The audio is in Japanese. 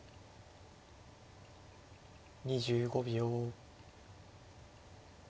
２５秒。